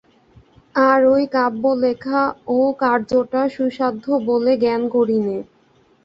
আর ঐ কাব্য লেখা, ও কার্যটাও সুসাধ্য বলে জ্ঞান করি নে।